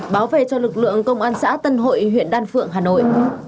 bảo vệ cho lực lượng công an xã tân hội huyện đan phượng hà nội